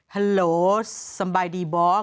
ฮัลโหลสำบายดีบ๊อซ